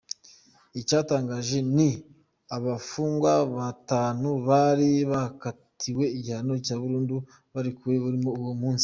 Icyatangaje ni abafungwa batanu bari barakatiwe igihano cya burundu barekuwe kuri uwo munsi.